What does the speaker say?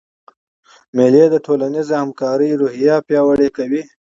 مېلې د ټولنیزي همکارۍ روحیه پیاوړې کوي.